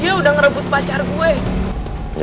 dia udah ngerebut pacar gue